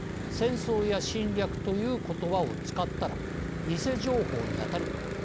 戦争や侵略ということばを使ったら偽情報にあたる。